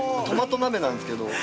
トマト鍋なんですけど。